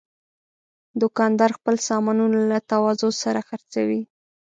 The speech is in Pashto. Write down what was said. دوکاندار خپل سامانونه له تواضع سره خرڅوي.